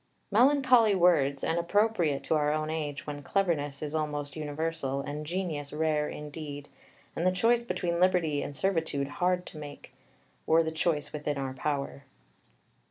Melancholy words, and appropriate to our own age, when cleverness is almost universal, and genius rare indeed, and the choice between liberty and servitude hard to make, were the choice within our power.